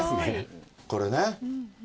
これね。